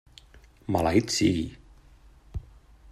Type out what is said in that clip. Maleït sigui!